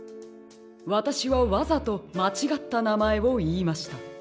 わたしはわざとまちがったなまえをいいました。